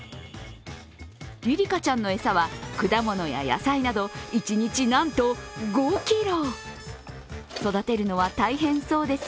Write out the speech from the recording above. リリカちゃんの餌は果物や野菜など一日なんと５ｋｇ。